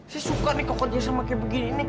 saya suka kokotnya sama kayak begini nih